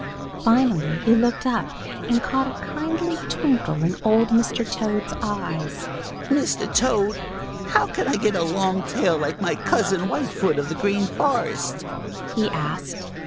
Finally he looked up and caught a kindly twinkle in old Mr. Toad's eyes. "Mr. Toad, how can I get a long tail like my cousin Whitefoot of the Green Forest?" he asked.